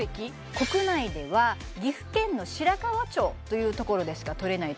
国内では岐阜県の白川町というところでしか採れない